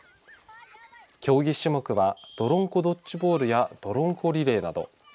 競技種目はどろんこドッジボールやどろんこリレーなど。